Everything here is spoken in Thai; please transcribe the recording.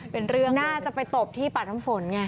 เป็นเรื่องน่าจะไปตบที่ป่าน้ำฝนไง